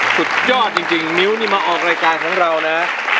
สุดยอดจริงมิ้วนี่มาออกรายการของเรานะ